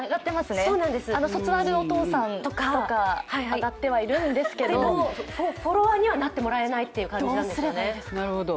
卒アルお父さんとか挙がっているんですけどフォロワーにはなってもらえないということです。